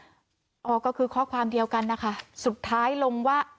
อ๋อก็คือข้อความเดียวกันนะคะสุดท้ายลงว่า